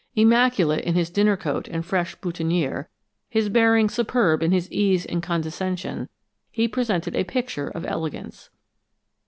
Immaculate in his dinner coat and fresh boutonnière, his bearing superb in his ease and condescension, he presented a picture of elegance.